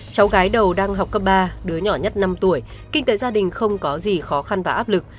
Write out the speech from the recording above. cháu gái đầu đang học cấp ba đứa nhỏ nhất năm tuổi kinh tế gia đình không có gì khó khăn và áp lực